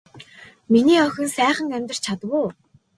Миний охин сайхан амарч чадав уу.